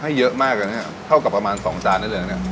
ให้เยอะมากเลยเนี่ยเท่ากับประมาณ๒จานได้เลยนะเนี่ย